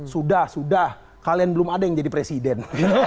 sudah sudah kalian belum ada yang jadi presiden